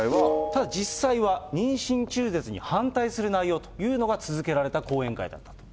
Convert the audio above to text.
ただ実際は、妊娠中絶に反対する内容というのが続けられた講演会だったと。